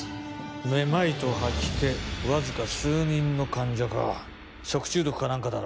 めまいと吐き気わずか数人の患者か食中毒か何かだろ